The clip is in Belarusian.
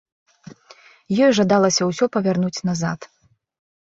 Ёй жадалася ўсё павярнуць назад.